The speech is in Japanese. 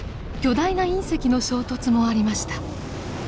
巨大な隕石の衝突もありました。